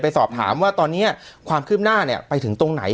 สอบถามว่าตอนนี้ความคืบหน้าเนี่ยไปถึงตรงไหน